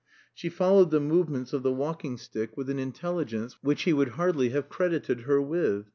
She followed the movements of the walking stick with an intelligence which he would hardly have credited her with.